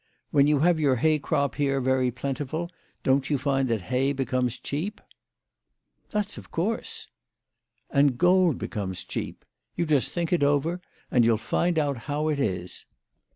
When you have your hay crop here very plentiful, don't you find that hay becomes cheap?" " That's of course." " And gold becomes cheap. You just think it over, and you'll find how it is.